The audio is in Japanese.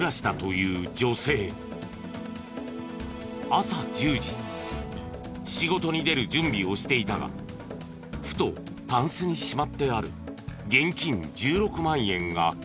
朝１０時仕事に出る準備をしていたがふとタンスにしまってある現金１６万円が気になり。